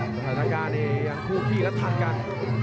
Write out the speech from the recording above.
สถานการณ์เนี่ยยังคู่ที่รับทันกัน